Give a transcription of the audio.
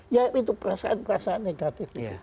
ya itu perasaan perasaan negatif